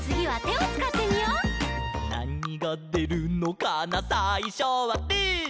「なにがでるのかなさいしょはぶー」